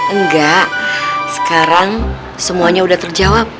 enggak sekarang semuanya udah terjawab